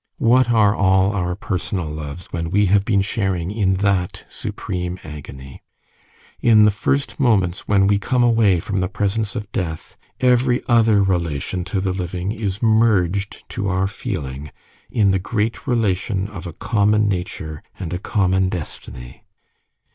What are all our personal loves when we have been sharing in that supreme agony? In the first moments when we come away from the presence of death, every other relation to the living is merged, to our feeling, in the great relation of a common nature and a common destiny.